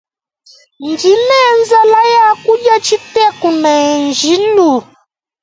Ndi ni nzala yakudia tshiteku ne njilu.